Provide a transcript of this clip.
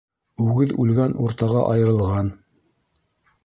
Үгеҙ үлгән уртаға айырылған.